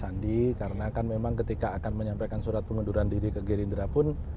sandi karena kan memang ketika akan menyampaikan surat pengunduran diri ke gerindra pun